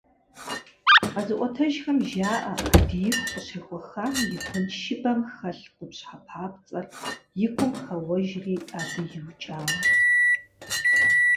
Къэзыӏуэтэжхэм жаӏэ, ӏэдииху къыщехуэхам и куэншыбэм хэлъ къупщхьэ папцӏэр и гум хэуэжри, абы иукӏауэ.